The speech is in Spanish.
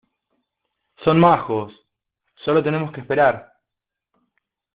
son majos, solo tenemos que esperar.